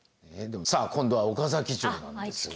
さあ今度は岡崎城なんですが。